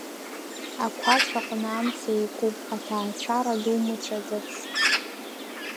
Ақәацә аҟны амца еиқәуп, аҭаацәара ду мыцәаӡацт.